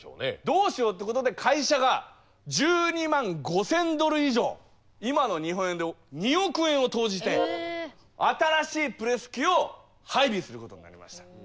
どうしようってことで会社が１２万５，０００ドル以上今の日本円で２億円を投じて新しいプレス機を配備することになりました。